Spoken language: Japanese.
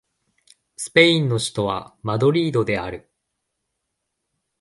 スペインの首都はマドリードである